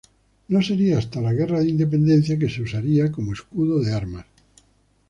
No sería hasta la guerra de Independencia que se usaría como escudo de armas.